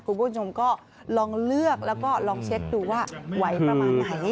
คุณผู้ชมก็ลองเลือกแล้วก็ลองเช็คดูว่าไหวประมาณไหน